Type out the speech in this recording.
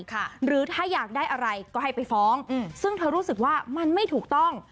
หรือถ้าอยากได้อะไรก็ให้ไปฟ้องอืมซึ่งเธอรู้สึกว่ามันไม่ถูกต้อง